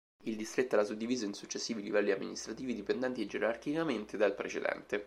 Il distretto era suddiviso in successivi livelli amministrativi dipendenti gerarchicamente dal precedente.